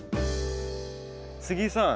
杉井さん